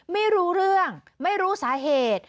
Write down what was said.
ไม่รู้เรื่องไม่รู้สาเหตุ